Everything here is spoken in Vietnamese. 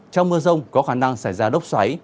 trong mưa rông có khả năng xảy ra lốc xoáy